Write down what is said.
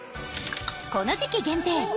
この時期限定！